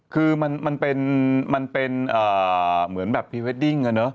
คือมันเป็นเหมือนแบบพรีเวดดิ้ง